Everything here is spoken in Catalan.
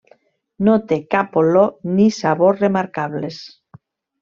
No té cap olor ni sabor remarcables.